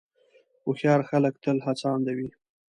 هوښیار خلک تل هڅاند وي.